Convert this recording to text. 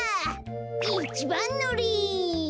いちばんのり。